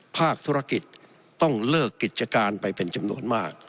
ภาคธุรกิจต้องเลิกกิจการไปเป็นจำนวนมาก